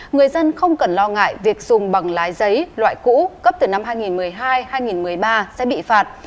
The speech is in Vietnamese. người dân không cần lo ngại việc dùng bằng lái giấy loại cũ cấp từ năm hai nghìn một mươi hai hai nghìn một mươi ba sẽ bị phạt